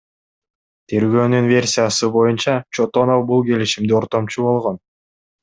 Тергөөнүн версиясы боюнча, Чотонов бул келишимде ортомчу болгон.